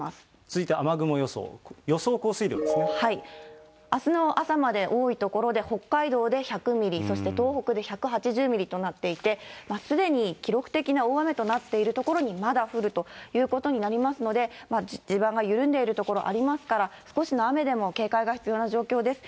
続いて雨雲予想、あすの朝まで、多い所で北海道で１００ミリ、そして東北で１８０ミリとなっていて、すでに記録的な大雨となっている所にまだ降るということになりますので、地盤が緩んでいる所ありますから、少しの雨でも警戒が必要な状況です。